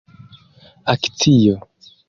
akcio